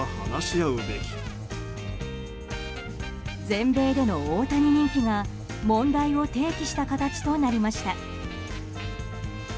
全米での大谷人気が問題を提起した形となりました。